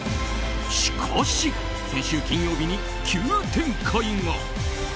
しかし、先週金曜日に急展開が。